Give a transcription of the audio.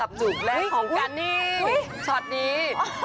จุกแรกของกันนี่ช็อตนี้